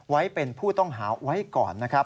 ไว้เป็นผู้ต้องหาไว้ก่อนนะครับ